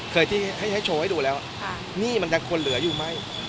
ที่ให้โชว์ให้ดูแล้วนี่มันจะควรเหลืออยู่ไหม